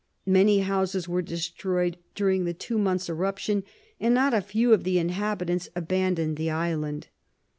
Many houses were destroyed during the two months' eruption; and not a few of the inhabitants abandoned the island.